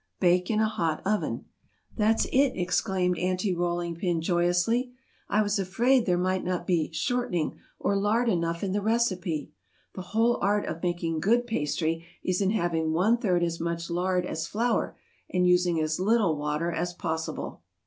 Bake in a hot oven. "That's it!" exclaimed Aunty Rolling Pin, joyously. "I was afraid there might not be 'shortening' or lard enough in the recipe. The whole art of making good pastry is in having one third as much lard as flour, and using as little water as possible.